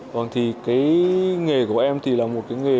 cái nghề của em thì là một cái nghề